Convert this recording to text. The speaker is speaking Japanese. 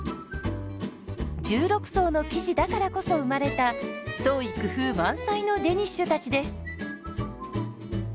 １６層の生地だからこそ生まれた創意工夫満載のデニッシュたちです。